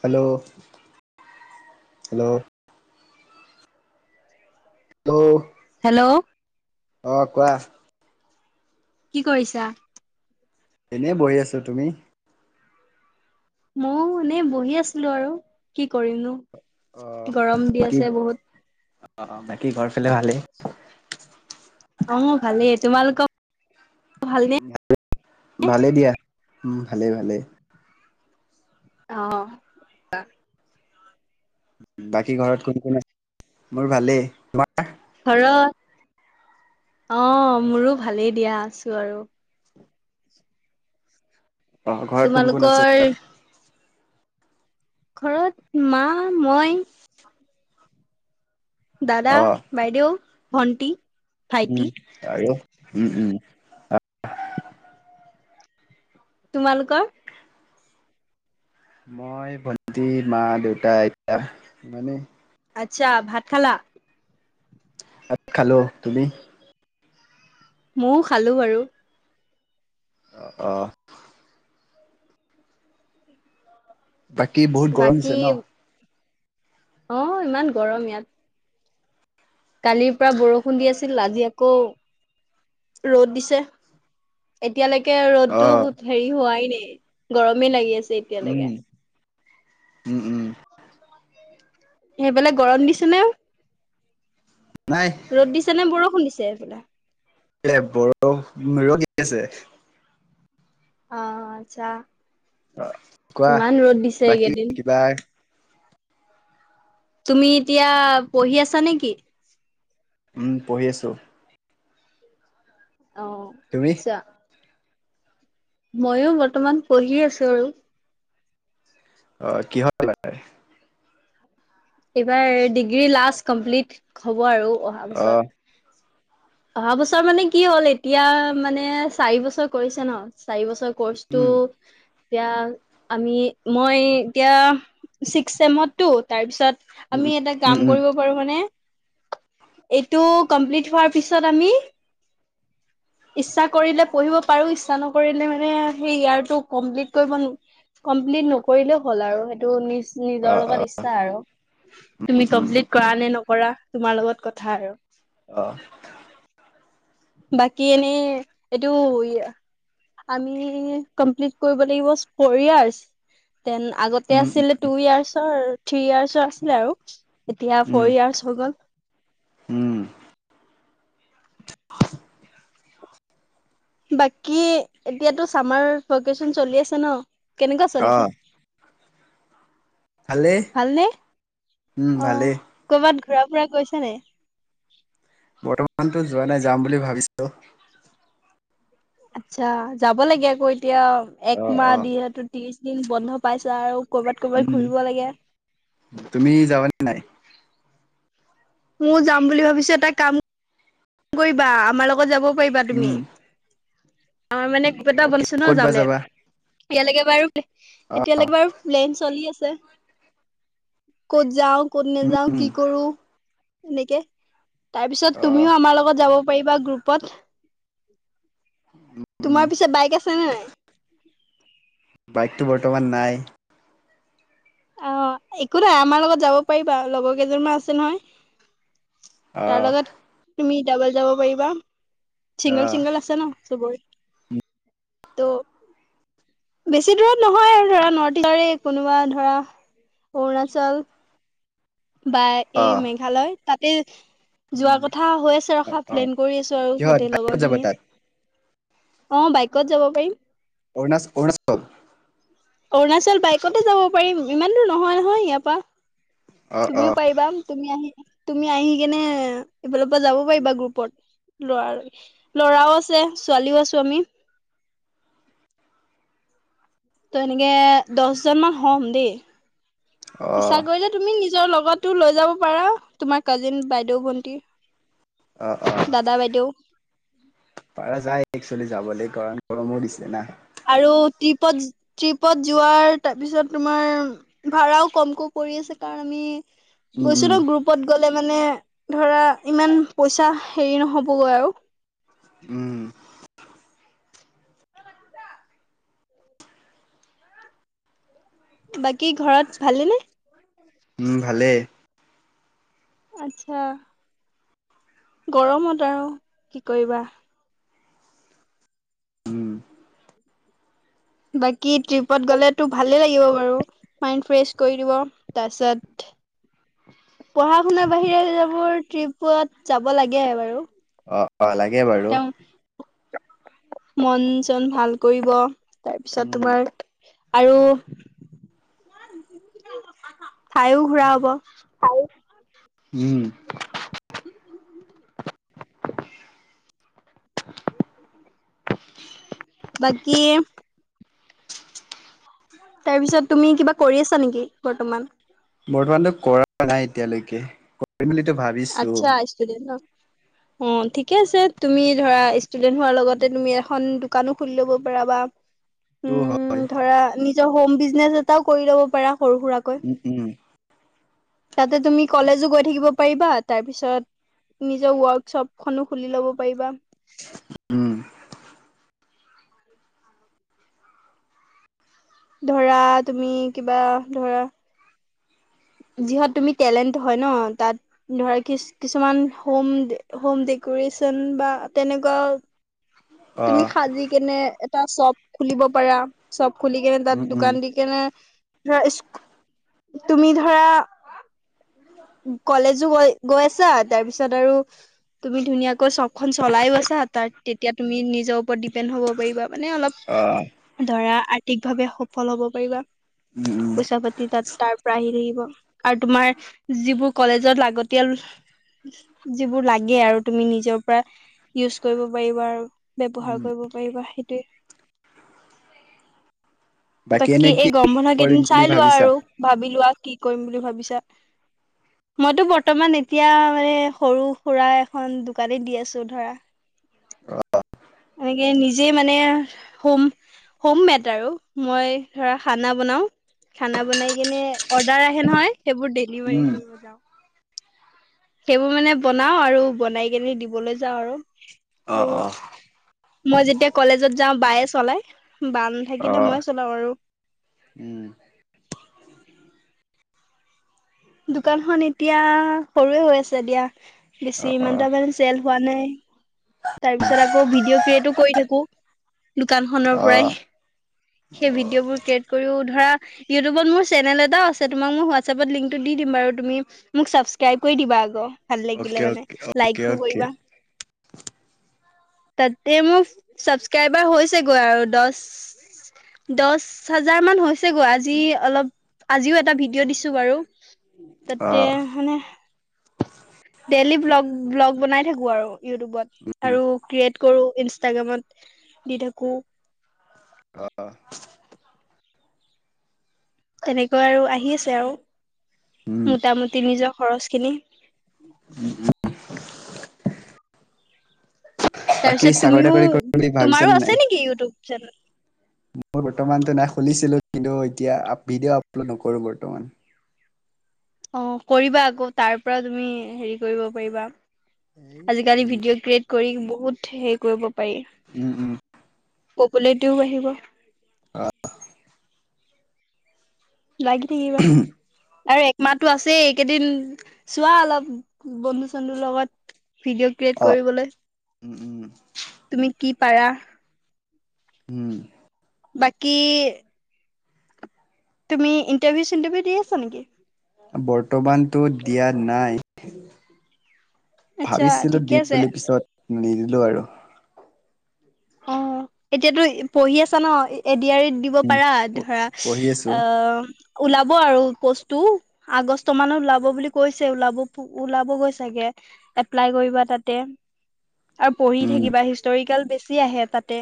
Hello, hello hello hello অ কোৱা। কি কৰিছা? এনেই বহি আছো, তুমি? ময়ো এনেই বহি আছিলো আৰু কি কৰিম নো অ গৰম দি বাকী আছে বহুত। অ বাকী ঘৰ ফালে ভালেই। অ ভালেই তোমালোকৰ, ভালনে? ভালেই দিয়া, ভালেই ভালেই অহ, বাকী ঘৰত কোন কোন মোৰ ভালেই। তোমাৰ ঘৰত অ মোৰো ভালেই দিয়া আছোঁ আৰু ঘৰত কোন কোন আছে। তোমালোকৰ ঘৰত মা মই দাদা অ বাইদেও ভণ্টি। উম আৰু উম উম। তোমালোকৰ মই ভন্টি মা দেউতা আইতা ইমানে। আচ্ছা ভাত খালা? ভাত খালো তুমি? ময়ো খালোঁ বাৰু। অ [unintelligible] বাকী বহুত গৰম বাকী দিছে ন। অ ইমান গৰম ইয়াত, কালিৰ পৰা বৰষুণ দি আছিল আজি আকৌ ৰ'দ দিছে এতিয়ালৈকে অ ৰ'দটো হেৰি হোৱাই নাই গৰমেই লাগি আছে উম এতিয়ালেকে উম উম সেইফালে গৰম দিছে নে নাই ৰ'দ দিছে নে বৰষুণ দিছে সেফালে এ বৰ ৰ'দ দি আছে অ আচ্ছা অ কোৱা ইমান ৰ'দ দিছে বাকী এইকেইদিন কিবা তুমি এতিয়া পঢ়ি আছা নেকি? উম পঢ়ি আছো অ তুমি আচ্ছা ময়ো বৰ্তমান পঢ়ি আছো আৰু অ কিহত পালাগে এইবাৰ ডিগ্ৰী লাষ্ট কমপ্লিট হ'ব আৰু অহা আহ বছৰ অহা বছৰ মানে কি হ'ল এতিয়া মানে চাৰি বছৰ কৰিছে ন চাৰি বছৰ কৰ্চটো উম এতিয়া আমি মই এতিয়া ছিক্স চেমত টো তাৰপিছত উম আমি এটা উম কাম উম কৰিব পাৰো মানে এইটো কমপ্লিট হোৱাৰ পিছত আমি [inaudible] ইচ্ছা কৰিলে পঢ়িব পাৰো ইচ্ছা নকৰিলে মানে সেই ইয়াৰটো কমপ্লিট কৰিব কমপ্লিট নকৰিলেও হ'ল আৰু সেইটো নিজ নিজৰ আহ লগত ইচ্ছা আৰু। তুমি উম কমপ্লিট কৰা নে নকৰা তোমাৰ লগত কথা আৰু। অ। বাকী এনেই এইটো আমি কমপ্লিত কৰিব লাগিব ফইয়াৰচ দেন আগত তাতে উম উম আছিলে টু ইয়াৰ্চৰ থ্ৰি ইয়াৰ্চৰ আছিলে আৰু এতিয়া উম ফ'ৰ ইয়াৰ্চ হৈ গ'ল। উম। বাকী এতিয়াতো চামাৰ ভেকেশচন চলি আছে ন? কেনেকুৱা আহ চলিছে? ভালেই ভালনে? উম অ ভালেই কৰ'বাত ঘূৰা ফুৰা কৈছা নাই? বৰ্তমানতো যোৱা নাই যাম বুলি ভাবিছো। আচ্ছা যাব লাগে আকৌ এতিয়া অ একমাহ অ দিয়েটো ত্ৰিশ দিন বন্ধ পাইছা আৰু কৰ'বাত কৰ'বাত উম ঘূৰিব লাগে। তুমি যাবা নে নাই? মইও যাম বুলি ভাবিছো এটা কাম কৰিবা আমাৰ লগত যাব পাৰিবা তুমি। উম আমাৰ মানে [unintelligible] অ কি ক'ত বা যাবা এতিয়ালেকে বাৰু অ এতিয়ালেকে বাৰু প্লেন চলি আছে। ক'ত যাও, ক'ত উম নাযাও উম কি কৰো এনেকে তাৰ পিছত অ তুমিও আমাৰ লগত যাব পাৰিবা গ্ৰুপত। উম তোমাৰ পিছে বাইক আছে নে নাই? বাইকটো বৰ্তমান নাই। অ একো নাই আমাৰ লগত যাব পাৰিবা লগৰ কেইজন মান আছে নহয়। তাৰ আহ লগত তুমি ডাবল যাব পাৰিবা। চিংগোল আহ চিংগোল আছে ন [unintelligible] ত বেছি দূৰত নহয় আৰু ধৰা নৰ্থ ইষ্টৰে কোনোবা ধৰা অৰুণাচল বা এই আহ মেঘালয় তাতে যোৱা উম কথা হৈ আছে অ ৰখা অ প্লেন কৰি আছো আৰু কিহত গোটেই বাইকত লগৰ যাবা খিনি। তাত অ বাইকত যাব পাৰিম। অৰুণাচ অৰুণাচ অৰুণাচল বাইকতে যাব পাৰিম, ইমান দূৰ নহয় নহয় ইয়াৰ অ পৰা অ তুমিও পাৰিবা। তুমি আহি, তুমি আহি কেনে এইফালৰ পৰা যাব পাৰিবা গ্ৰুপত। ল'ৰা ল'ৰাও আছে ছোৱালীও আছো আমি। ত এনেকে দহজন মান হ'ম দেই। অ ইটছা কৰিলে তুমি নিজৰ লগতো লৈ যাব পাৰা, তুমাৰ কাজিন, বাইদেউ, ভন্টি। অ অ দাদা, বাইদেউ। পাৰা যায় একচোৱলি যাবলৈ কাৰণ গৰমো দিছে না। আৰু ট্ৰিপত ট্ৰিপত যোৱাৰ তাৰপিছত তোমাৰ ভাড়াও কমকৈ কৰি আছে কাৰণ আমি উম গৈছো উম ন গ্ৰুপত গ'লে মানে ধৰা ইমান পইচা হেৰি নহ'বগৈ আৰু। উম। বাকি ঘৰত ভালেনে? উম ভালেই। আচ্ছা। গৰমত আৰু কি কৰিবা। উম [unintelligible] বাকী ট্ৰিপত গ'লেতো ভালেই লাগিব বাৰু মাইণ্ড ফ্ৰেছ কৰি দিব তাৰপিছত, পঢ়া শুনাৰ বাহিৰে যাবোৰ ট্ৰিপত যাব লাগে বাৰু অ অ লাগে বাৰু তেওঁ মন চন ভাল কৰিব তাৰপিছত উম তোমাৰ, আৰু ঠাইও ঘূৰা হব। উম, বাকী, তাৰ পিছত তুমি কিবা কৰি আছা নেকি বৰ্তমান। বৰ্তমানতো কৰা নাই এতিয়ালৈকে। কৰিম বুলিটো ভাবি আচ্ছা ষ্টুডেন্ট ন অ ঠিকে আছে তুমি ধৰা, ষ্টুডেণ্ট হোৱাৰ লগতে তুমি এখন দোকানো খুলি ল'ব পাৰা বা টো উম হয় ধৰা নি, নিজৰ হোম বিজনেছ এটাও কৰি ল'ব পাৰা সৰু সুৰাৰাকৈ। উম উম, তাতে তুমি কলেজো গৈ থাকিব পাৰিবা তাৰ পিছত। নিজৰ ৱৰ্কশ্বপ খনো খুলি ল'ব পাৰিবা। উম, [inaudible] ধৰা তুমি কিবা ধৰা, যিহত তুমি টেলেণ্ট হয় ন তাত। ধৰা কি কিছুমান হোম হোম ডেকৰেচন বা তেনেকুৱা, অ তুমি সাজি কেনে এটা চ্বপ খুলিব পাৰা। চপ খুলি কেনে তাত উম উম দোকান দি কেনে ধৰা তুমি ধ, [inaudible] কলেজো গৈ গৈ আছা তাৰ পিছত আৰু তুমি ধুনীয়াকৈ চবখন চলাই আছা তাত তেতিয়া তুমি নিজৰ ওপৰত ডিপেণ্ড হ'ব পাৰিবা মানে অলপ, অ, ধৰা আৰ্থিক ভাৱে সফল হ'ব পাৰিবা উম উম পইচা পাতি তাত তাৰ পৰা আহি থাকিব। আৰু তোমাৰ যিবোৰ কলেজত লাগতিয়াল। যিবোৰ লাগে আৰু তুমি নিজৰ পৰা ইউজ কৰিব পাৰিবা আৰু উম ব্যৱহাৰ কৰিব পাৰিব সেইটোৱে। বাকী এনে এই কি গম বন্ধ কৰিম কেইদিন বুলি চাই লোৱা ভাবিছা আৰু ভাবি লোৱা কি কৰিম বুলি ভাবিছা। মইতো বৰ্তমান এতিয়া মানে সৰু সুৰা এখন দোকানে দি আছো ধৰা। অহ, এনেকে নিজে মানে হোম। হোম মেটাৰ অও মই ধৰা খানা বনাও। খানা বনাই কিনে অৰ্ডাৰ আহে নহয় সেইবোৰ ডেলিভাৰী উম কৰিব যাওঁ। সেইবোৰ মানে বনাও আৰু বনাই কেনে দিবলৈ যাওঁ আৰু আৰু অহ অহ, মই যেতিয়া কলেজত যাওঁ বায়ে চলাই বা অ নাথাকিলে মই চলাওঁ আৰু উম, দোকানখন এতিয়া সৰুৱে হৈ আছে দিয়া অ বেছি অ ইমান তাৰ মানে চেল হোৱা নাই। তাৰ পিছত আকৌ ভিডিঅ ক্ৰিয়েটো কৰি থাকোঁ দোকানখনৰ অ পৰাই। সেই অ ভিডিঅ বোৰ ক্ৰিয়েট কৰিও ধৰা ইউটিউবত মোৰ চেনেল এটাও আছে তোমাক মই হোৱাটছএপত লিংকটো দি দিম বাৰু তুমি, মোক ছাবছস্ক্ৰাইব কৰি দিবা আক' ভাল অকে লাগিলে মানে‌ অকে অকে লাইকো অকে কৰিবা। তাতে মোৰ ছাবছস্ক্ৰাইবাৰ হৈছেগৈ আৰু দছ দছ হাজাৰ মান হৈছেগৈ। আজি অলপ আজিও এটা ভিডিঅ' দিছো বাৰু। অ তাতে হানে ডেলি ভ্লগ, ভ্লগ বনাই থাকো আৰু ইউটুবত আৰু ক্ৰীয়েট কৰো ইনষ্টাগ্ৰামত দি থাকোঁ। অহ। তেনেকৈ আৰু আহি আছে আৰু উম মোটামুটি নিজৰ খৰচখিনি। উ, উ [unintelligible] তাৰপিছত চাকৰি তুমিও, তাকৰি কৰিম বুলি তোমাৰো ভাবিছানে আছে নেকি ইউটুব চেনেল? মই বৰ্তমানতো নাই। খুলিছিলো, কিন্তু এতিয়া আপি ভিডিঅ' আপলোড নকৰো বৰ্তমান। অ' কৰিবা আকৌ তাৰ পৰা তুমি হেৰি কৰিব পাৰিবা। আজি-কালি ভিডিঅ' ক্ৰিয়েট কৰি বহুত সেই কৰিব পাৰি। উম, উম। পপুলেটিও বাহিব। অ' [unintelligible] লাগি থাকিবা আৰু এক মাতো আছেই। এইকেইদিন চোৱা অলপ বন্দু-চন্দুৰ লগত ভিডিঅ' ক্ৰিয়েট অ কৰিবলৈ উম উম তুমি কি পাৰা? উম। বাকী তুমি ইণ্টাৰভিউ-চিণ্টাৰভিউ দি আছা নেকি? বৰ্তমানটো দিয়া নাই। আচ্ছা ভাবিছিলোঁ ঠিকে দিম আছে বুলি পিছত নিদিলোঁ আৰু। অ' এতিয়াতো ই পঢ়ি আছা ন? ই এডিয়াৰিত দিব উম পাৰা ধৰা পঢ়ি আছো আ ওলাব আৰু পোষ্টটো। আগষ্ট মানত ওলাব বুলি কৈছে। ওলাব ও-ওলাবগৈ চাগে। এপ্লাই কৰিবা তাতে। আৰু পঢ়ি উম থাকিবা। হিষ্টৰিকেল বেছ ছি আহে তাতে।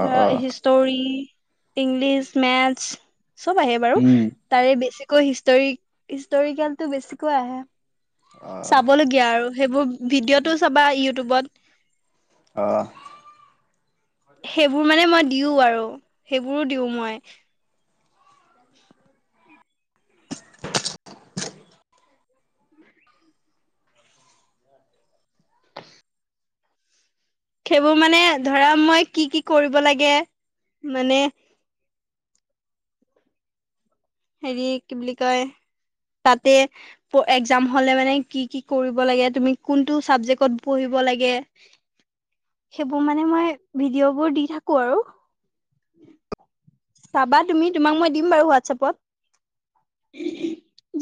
অ ধৰা অ হিষ্টৰী, ইংলিছ, মেটছ চব আহে বাৰু। উম তাৰে বেছিকৈ হিষ্টৰি হিষ্টৰিকেলতো বেছিকৈ আহে। অ চাবলগীয়া আৰু সেইবোৰ ভিডিঅ'টো চাবা ইউটুবত। অহ। সেইবোৰ মানে মই দিওঁ আৰু সেইবোৰো দিওঁ মই। [inaudible] সেইবোৰ মানে ধৰা মই কি কি কৰিব লাগে মানে হেৰি কি বুলি কয় তাতে প একজাম হ'লে মানে কি কি কৰিব লাগে, তুমি কোনটো ছাবজেকত পঢ়িব লাগে [inaudible] সেইবো মানে মই ভিডিঅ'বোৰ দি থাকো আৰু। [inaudible] চাবা তুমি। তোমাক মই দিম বাৰু হোৱাটছআপত।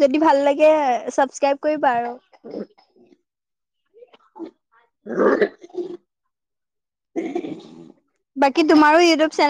যদি ভাল লাগে ছাবছস্ক্ৰাইব কৰিবা আৰু। [inaudible] বাকী তোমাৰো ইউটিউব চেনে-